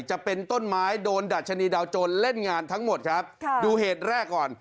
จะเป็นต้นไม้โดนดัชนีดาวโจรเล่นงานทั้งหมดครับค่ะดูเหตุแรกก่อน